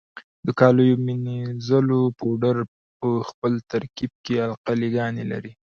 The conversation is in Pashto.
د کالیو منیځلو پوډر په خپل ترکیب کې القلي ګانې لري.